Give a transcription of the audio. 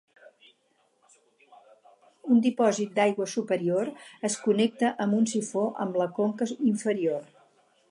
Un dipòsit d'aigua superior es connecta amb un sifó amb la conca inferior.